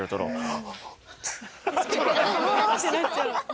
うわー！ってなっちゃう？